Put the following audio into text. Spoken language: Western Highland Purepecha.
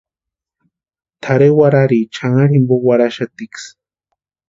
Tʼarhe warharicha xanharu jimpo warhaxatiksï.